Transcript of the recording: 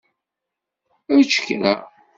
Ečč kra.